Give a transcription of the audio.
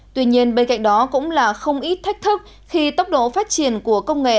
tuy nhiên bên cạnh đó cũng là không ít thách thức khi tốc độ phát triển của công nghệ